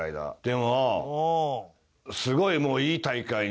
でもすごいもういい大会に。